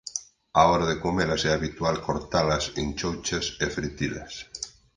Á hora de comelas é habitual cortalas en chouchas e fritilas.